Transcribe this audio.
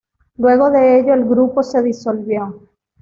Luego de ello el grupo se disolvió.